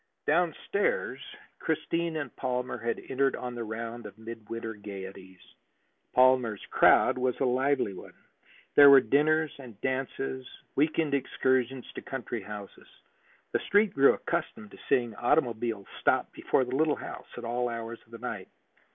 Downstairs, Christine and Palmer had entered on the round of midwinter gayeties. Palmer's "crowd" was a lively one. There were dinners and dances, week end excursions to country houses. The Street grew accustomed to seeing automobiles stop before the little house at all hours of the night.